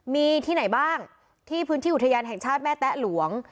มีที่ไหนบ้างที่พื้นที่อุทยานแห่งชาติแม่แต๊ะหลวง